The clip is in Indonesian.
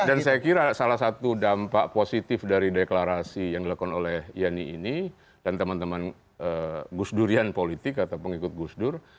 dan saya kira salah satu dampak positif dari deklarasi yang dilakukan oleh yani ini dan teman teman gus durian politik atau pengikut gus dur